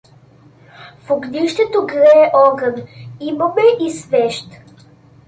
В огнището грее огън, имаме и свещ.